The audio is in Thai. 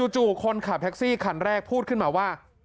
คนขับแท็กซี่คันแรกพูดขึ้นมาว่า